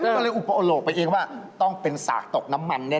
ก็เลยอุปโลกไปเองว่าต้องเป็นสากตกน้ำมันแน่